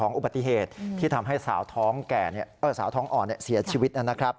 ของอุบัติเหตุที่ทำให้สาวท้องอ่อนเสียชีวิต